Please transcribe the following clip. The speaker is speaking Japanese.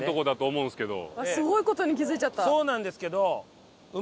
そうなんですけど。